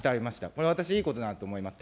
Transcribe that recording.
これは私、いいことだと思います。